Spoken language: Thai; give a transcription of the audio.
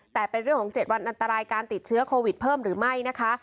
แต่เป็นเรื่องของ๗วันอันตรายการติดเชื้อโควิดเพิ่มหรือไม่นะคะ